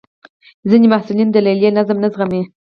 ځینې محصلین د لیلیې نظم نه زغمي.